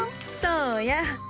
そうや。